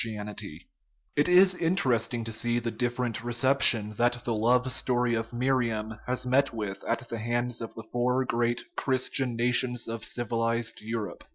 And it is interesting to see the different reception that the love story of Miriam has met with at the hands of the four great Christian nations of civilized Europe.